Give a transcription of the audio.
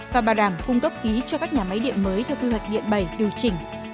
và bảo đảm cung cấp khí cho các nhà máy điện mới theo quy hoạch điện bảy điều chỉnh